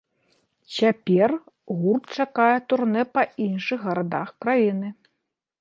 Цяпер гурт чакае турнэ па іншых гарадах краіны.